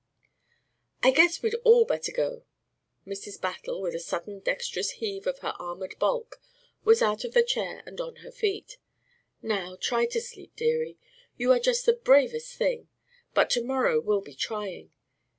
"I guess we'd all better go." Mrs. Battle, with a sudden dexterous heave of her armoured bulk, was out of the chair and on her feet. "Now, try to sleep, dearie. You are just the bravest thing! But to morrow will be trying.